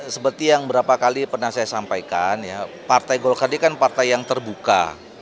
seperti yang beberapa kali pernah saya sampaikan partai golkadi kan partai yang terbuka